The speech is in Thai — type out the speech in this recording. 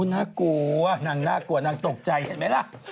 น่ากลัวนางน่ากลัวนางตกใจเห็นไหมล่ะ